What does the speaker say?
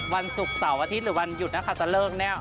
วันศุกร์เสาร์อาทิตย์หรือวันหยุดในขัตเตอร์เลิกนี่